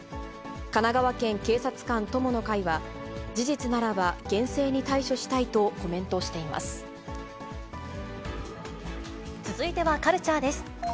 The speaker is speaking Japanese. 神奈川県警察官友の会は、事実ならば、厳正に対処したいとコメン続いてはカルチャーです。